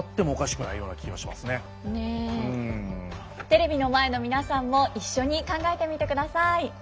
テレビの前の皆さんも一緒に考えてみてください。